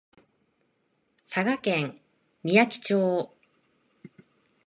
佐賀県みやき町